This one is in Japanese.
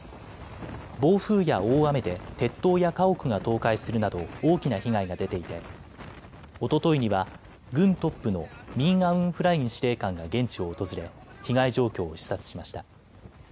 暴風や大雨で鉄塔や家屋が倒壊するなど大きな被害が出ていておとといには軍トップのミン・アウン・フライン司令官が現地を訪れ被害状況を視察しました。